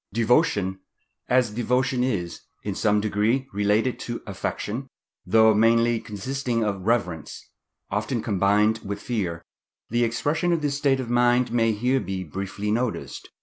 Devotion.—As devotion is, in some degree, related to affection, though mainly consisting of reverence, often combined with fear, the expression of this state of mind may here be briefly noticed.